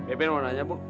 eh ben mau nanya bu